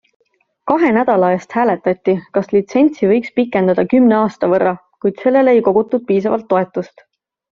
Kahe nädala eest hääletati, kas litsentsi võiks pikendada kümne aasta võrra, kuid sellele ei kogutud piisavalt toetust.